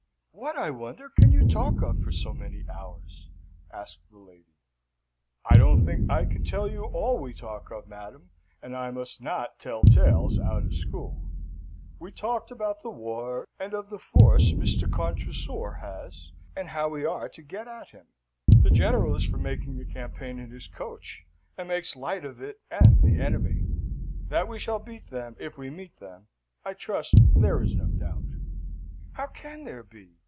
"What, I wonder, can you talk of for so many hours?" asked the lady. "I don't think I can tell you all we talk of, madam, and I must not tell tales out of school. We talked about the war, and of the force Mr. Contrecoeur has, and how we are to get at him. The General is for making the campaign in his coach, and makes light of it and the enemy. That we shall beat them, if we meet them, I trust there is no doubt." "How can there be?"